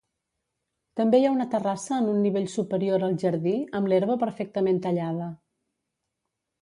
També hi ha una terrassa en un nivell superior al jardí, amb l'herba perfectament tallada.